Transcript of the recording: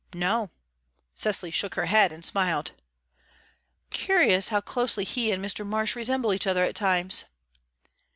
"No." Cecily shook her head and smiled. "Curious how closely he and Mr. Marsh resemble each other at times."